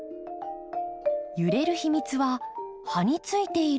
揺れる秘密は葉についている